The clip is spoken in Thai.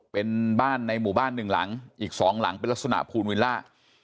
เป็นบ้านในหมู่บ้านหนึ่งหลังอีก๒หลังเป็นลักษณะภูนวิลล่า